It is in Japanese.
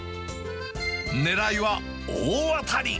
ねらいは大当たり。